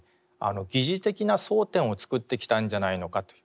疑似的な争点を作ってきたんじゃないのかという。